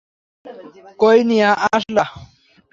কই নিয়া আসলা?